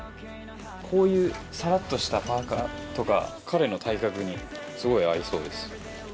こういうサラっとしたパーカとか彼の体格にすごい合いそうです。